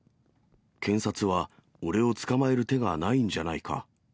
検察は俺を捕まえる手がないんじゃないか。